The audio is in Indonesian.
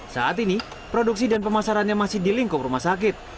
saat ini produksi dan pemasarannya masih di lingkup rumah sakit